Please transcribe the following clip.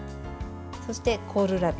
そして、コールラビ。